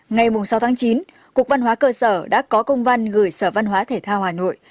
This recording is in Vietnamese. ngày sáu tháng chín cục văn hóa cơ sở đã có công văn gửi sở văn hóa thể thao hà nội